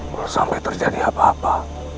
belum sampai terjadi apa apa